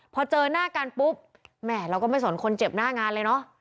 พอเจอหน้ากันปุ๊บแหมเราก็ไม่สนคนเจ็บหน้างานเลยเนอะ